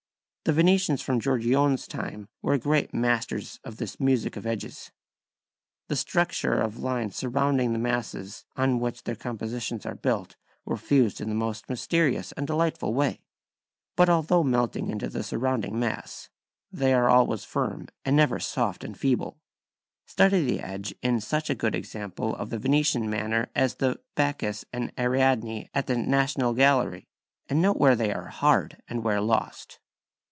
The Venetians from Giorgione's time were great masters of this music of edges. The structure of lines surrounding the masses on which their compositions are built were fused in the most mysterious and delightful way. But although melting into the surrounding mass, they are always firm and never soft and feeble. Study the edge in such a good example of the Venetian manner as the "Bacchus and Ariadne" at the National Gallery, and note where they are hard and where lost.